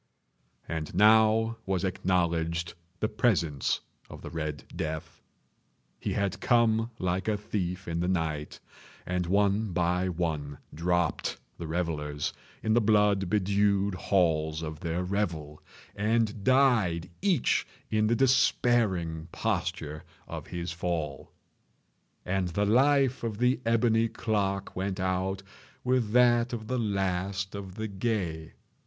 And now was acknowledged the presence of the Red Death. He had come like a thief in the night. And one by one dropped the revellers in the blood bedewed halls of their revel, and died each in the despairing posture of his fall. And the life of the ebony clock went out with that of the last of the gay.